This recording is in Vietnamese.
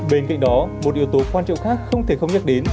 bên cạnh đó một yếu tố quan trọng khác không thể không nhắc đến